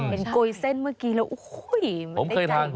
เป็นโกยเส้นเมื่อกี้แล้วเฮ้อไม่ได้ใจว่านั้นอ่ะ